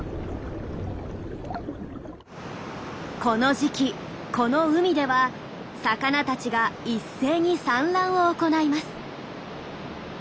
この時期この海では魚たちが一斉に産卵を行います。